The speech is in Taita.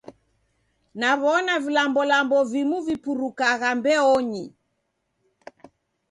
Naw'ona vilambolambo vimu vipurukagha mbeonyi.